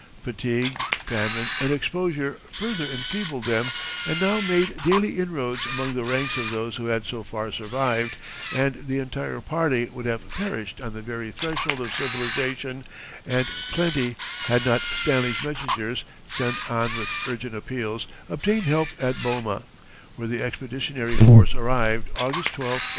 Fatigue, famine, and exposure further enfeebled them and now made daily inroads among the ranks of those who had so far survived, and the entire party would have perished on the very threshold of civilization and plenty had not Stanley's messengers, sent on with urgent appeals, obtained help at Boma, where the expeditionary force arrived August 12, 1877.